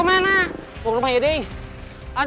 semarang semarang semarang